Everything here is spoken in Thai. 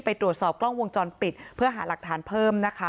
ไปตรวจสอบกล้องวงจรปิดเพื่อหาหลักฐานเพิ่มนะคะ